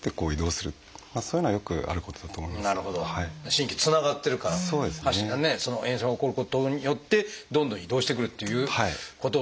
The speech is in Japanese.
神経つながってるから炎症が起こることによってどんどん移動してくるっていうこと。